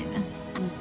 うん。